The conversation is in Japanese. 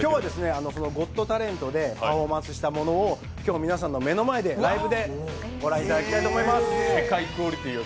「ゴット・タレント」でパフォーマンスしたものを今日、皆さんの目の前でライブでご覧いただきます。